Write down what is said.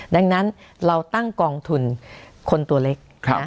ดังนั้นเราตั้งกองทุนคนตัวเล็ก